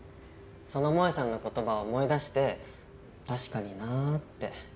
その萌さんの言葉を思い出して確かになぁって。